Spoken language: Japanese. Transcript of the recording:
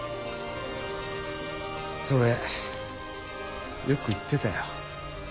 それよく言ってたよ。